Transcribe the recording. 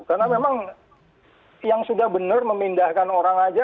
karena memang yang sudah benar memindahkan orang aja